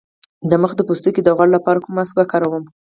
د مخ د پوستکي د غوړ لپاره کوم ماسک وکاروم؟